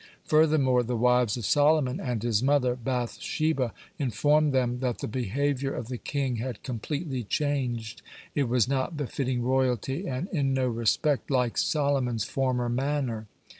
Furthermore the wives of Solomon and his mother Bath sheba informed them that the behavior of the king had completely changed it was not befitting royalty and in no respect like Solomon's former manner.